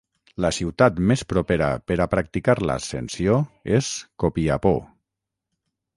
La ciutat més propera per a practicar l'ascensió és Copiapó.